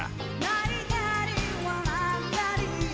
「泣いたり笑ったり」